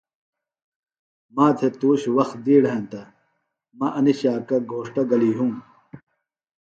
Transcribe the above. ما تھےۡ تُوش وخت دِیڑ ہینتہ مہ انیۡ شاکہ گھوݜٹہ گلیۡ یُھوم